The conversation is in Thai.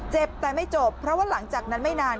เจ็บแต่ไม่จบเพราะว่าหลังจากนั้นไม่นาน